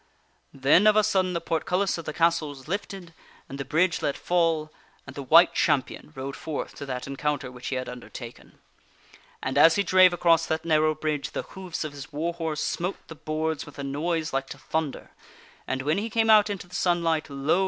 Then of a sudden the portcullis of the castle was lifted, and the bridge let fall, and the White Champion rode forth to that encounter which he had undertaken. And, as he drave across that narrow bridge, the hoofs of his war horse smote the boards with a noise like to thunder, and when he came out into the sunlight, lo!